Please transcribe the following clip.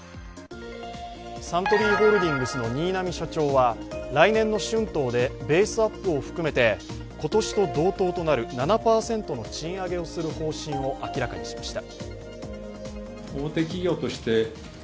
サントリーホールディングスの新浪社長は来年の春闘でベースアップを含めて今年と同等となる７％の賃上げをする方針を明らかにしました。